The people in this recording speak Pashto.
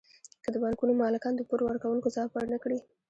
که د بانکونو مالکان د پور ورکوونکو ځواب ورنکړي